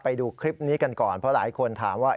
ไปดูคลิปนี้กันก่อนเพราะหลายคนถามว่า